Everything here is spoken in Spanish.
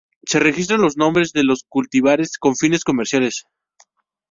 Se registran los nombres de los cultivares con fines comerciales.